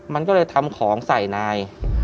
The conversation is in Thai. มันก็เลยทำของใส่นาย